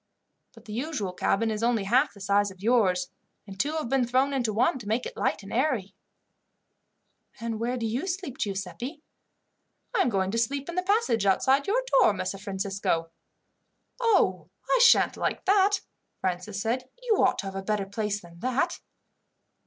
But the usual cabin is only half the size of yours, and two have been thrown into one to make it light and airy." "And where do you sleep, Giuseppi?" "I am going to sleep in the passage outside your door, Messer Francisco." "Oh, but I sha'n't like that!" Francis said. "You ought to have a better place than that."